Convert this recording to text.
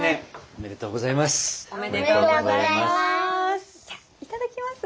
おめでとうございます。